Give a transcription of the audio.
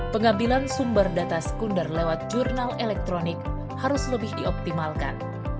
pengambilan sumber data sekunder lewat jurnal elektronik harus lebih dioptimalkan